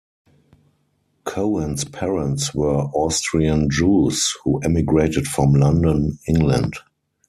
Cohen's parents were Austrian Jews who emigrated from London, England.